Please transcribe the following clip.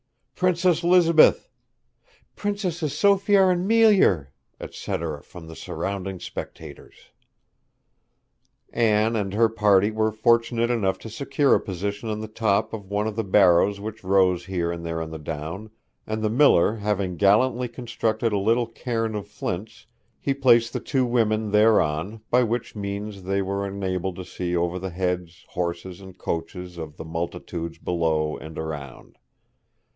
'Princess 'Lizabeth!' 'Princesses Sophiar and Meelyer!' etc., from the surrounding spectators.) Anne and her party were fortunate enough to secure a position on the top of one of the barrows which rose here and there on the down; and the miller having gallantly constructed a little cairn of flints, he placed the two women thereon, by which means they were enabled to see over the heads, horses, and coaches of the multitudes below and around.